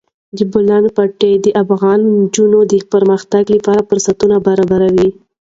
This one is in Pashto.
د بولان پټي د افغان نجونو د پرمختګ لپاره فرصتونه برابروي.